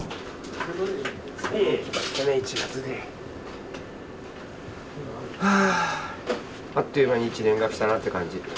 あっという間に１年が来たなって感じ。